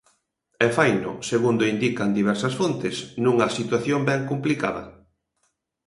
E faino, segundo indican diversas fontes, nunha situación ben complicada.